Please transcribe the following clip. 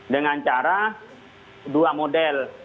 dengan cara dua model